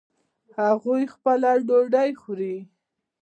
هغوی خپله ډوډۍ خوري